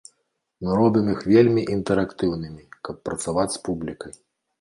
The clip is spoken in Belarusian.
Мы робім іх вельмі інтэрактыўнымі, каб працаваць з публікай.